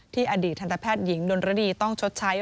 อดีตทันตแพทย์หญิงดนรดีต้องชดใช้